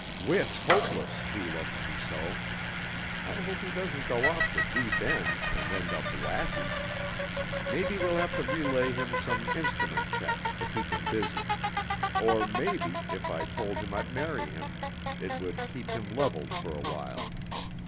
"Whit's hopeless, he loves me so. I hope he doesn't go off the deep end, and end up whacky. Maybe we'll have to relay him some instrument checks, to keep him busy. Or maybe, if I told him I'd marry him it would keep him leveled for a while.